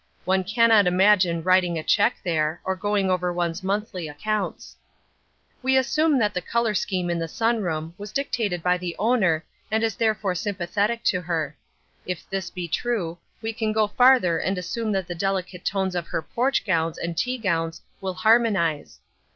One cannot imagine writing a cheque there, or going over one's monthly accounts. We assume that the colour scheme in the sun room was dictated by the owner and is therefore sympathetic to her. If this be true, we can go farther and assume that the delicate tones of her porch gowns and tea gowns will harmonise.